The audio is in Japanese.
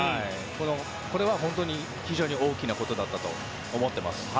これは本当に非常に大きなことだったと思ってます。